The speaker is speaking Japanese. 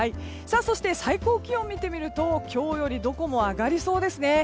最高気温を見てみると今日よりどこも上がりそうですね。